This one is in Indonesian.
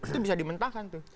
itu bisa dimentahkan tuh